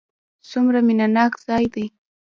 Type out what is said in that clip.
څومره مینه ناک ځای دی.